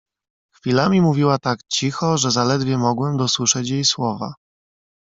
"Chwilami mówiła tak cicho, że zaledwie mogłem dosłyszeć jej słowa."